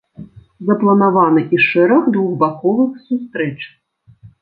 Запланаваны і шэраг двухбаковых сустрэч.